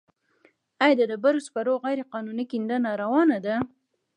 آیا د ډبرو سکرو غیرقانوني کیندنه روانه ده؟